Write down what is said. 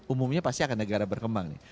umumnya pasti akan negara berkembang nih